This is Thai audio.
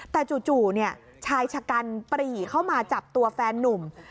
แต่จู่ชายชะกันปรีเข้ามาจับตัวแฟนนุ่ม